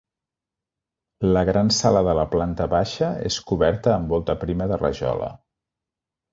La gran sala de la planta baixa és coberta amb volta prima de rajola.